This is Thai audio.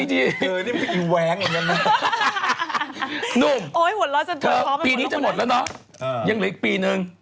หนุ่มเธอปีนี้จะหมดแล้วเนอะยังเหลืออีกปีหนึ่ง